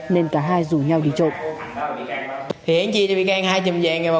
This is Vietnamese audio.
nên cả hai rủ nhau đi trộm